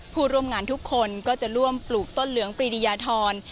ผู้ร่วมงานทุกคนก็จะร่วมปลูกต้นเหลืองปรีดียาธร